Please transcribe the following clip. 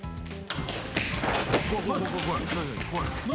何？